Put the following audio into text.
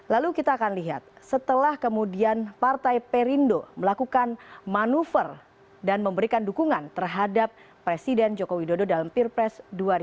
lalu kita akan lihat setelah kemudian partai perindo melakukan manuver dan memberikan dukungan terhadap presiden joko widodo dalam pilpres dua ribu dua puluh